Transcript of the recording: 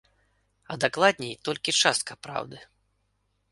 А дакладней, толькі частка праўды.